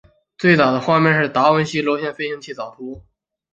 最早的画面是达文西的螺旋飞行器草图。